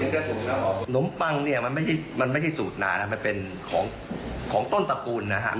ขนมปังเนี่ยมันไม่ใช่มันไม่ใช่สูตรนานนะมันเป็นของของต้นตระกูลนะฮะ